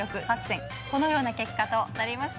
このような結果となりました。